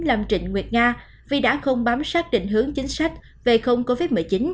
làm trịnh nguyệt nga vì đã không bám sát định hướng chính sách về không covid một mươi chín